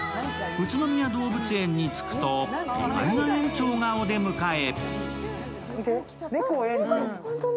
宇都宮動物園に着くと意外な園長がお出迎え。